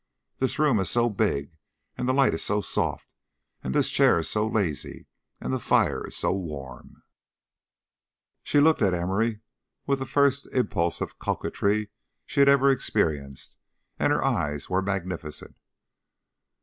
This room is so big, and the light is so soft, and this chair is so lazy, and the fire is so warm " She looked at Emory with the first impulse of coquetry she had ever experienced; and her eyes were magnificent.